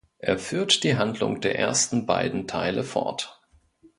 Er führt die Handlung der ersten beiden Teile fort.